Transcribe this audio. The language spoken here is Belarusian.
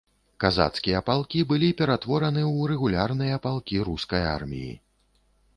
Казацкія палкі былі ператвораны ў рэгулярныя палкі рускай арміі.